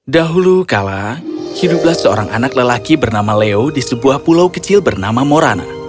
dahulu kala hiduplah seorang anak lelaki bernama leo di sebuah pulau kecil bernama morana